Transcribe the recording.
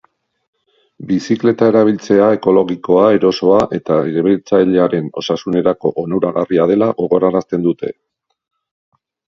Bizikleta erabiltzea ekologikoa, erosoa eta erabiltzailearen osasunerako onuragarria dela gogorarazten dute.